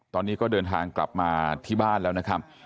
ตอนนี้ก็เดินทางกลับมาที่บ้านแล้วนะครับ